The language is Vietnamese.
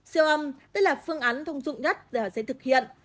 siêu âm đây là phương án thông dụng nhất sẽ thực hiện